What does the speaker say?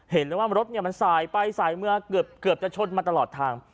เห็นเลยว่ารถมันสายไปสายมาเกือบจะชนมาตลอดทาง